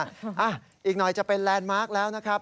ตอนนี้จะเป็นแลนด์มาร์คแล้วนะครับ